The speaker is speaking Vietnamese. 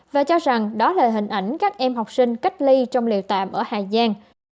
và cho rằng đó là hình ảnh các em học sinh cách ly trong lều tạm ở hà giang